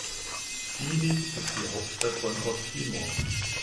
Dili ist die Hauptstadt von Osttimor.